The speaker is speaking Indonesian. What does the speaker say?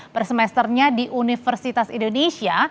per semesternya di universitas indonesia